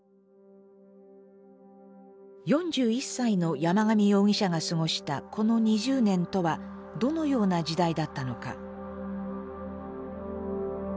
４１歳の山上容疑者が過ごしたこの２０年とはどのような時代だったのか。